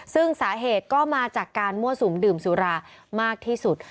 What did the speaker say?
ซึ่งสาเหตุก็มาจากการมั่วสุมดื่มสุรามากที่สุด